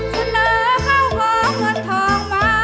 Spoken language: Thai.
เสลอข้าวหอมเหมือนทองไม้